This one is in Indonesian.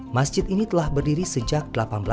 masjid ini telah berdiri sejak seribu delapan ratus enam puluh